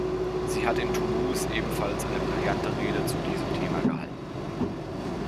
Sie hat in Toulouse ebenfalls eine brillante Rede zu diesem Thema gehalten.